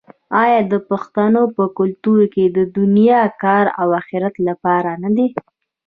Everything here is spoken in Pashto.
آیا د پښتنو په کلتور کې د دنیا کار د اخرت لپاره نه دی؟